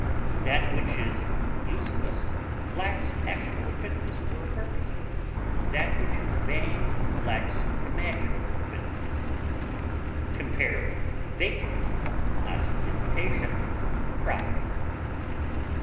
That which is useless lacks actual fitness for a purpose; that which is vain lacks imaginable fitness. Compare VACANT; OSTENTATION; PRIDE.